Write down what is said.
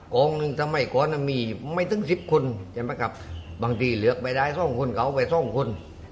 กล้องหนึ่งทำไมก็มีไม่ตั้ง๑๐คนบางทีเหลือกไปได้๒คนก็เอาไป๒คน